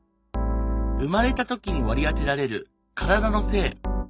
生まれた時に割り当てられる体の性。